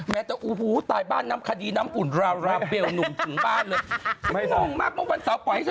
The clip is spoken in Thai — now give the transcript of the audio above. แม้แต่ตายบ้านอุ่นระเปลวหนุ่มถึงบ้านเลย